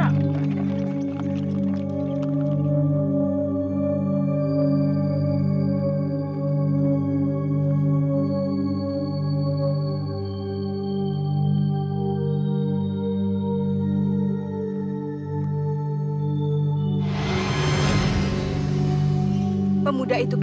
kalau tidak mbak